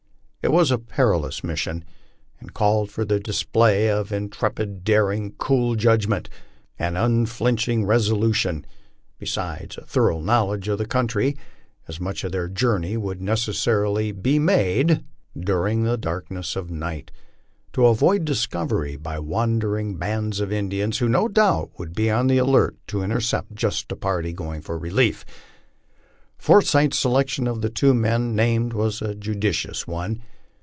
It was a perilous mission, and called for the display of intrepid daring, cool judgment, and un flinching resolution, besides a thorough knowledge of the country, as much of their journey would necessarily be made during the darkness of night, to avoid discovery by wandering bands of Indians, who, no doubt, would be on the alert to intercept just such parties going for relief. Forsyth's selection of the two men named was a judicious one.